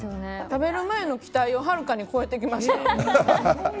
食べる前の期待をはるかに超えてきました。